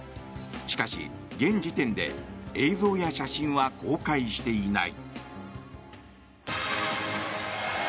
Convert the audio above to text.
しかし、現時点で映像や写真は公開していない。